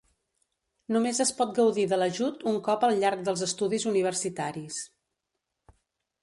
Només es pot gaudir de l'ajut un cop al llarg dels estudis universitaris.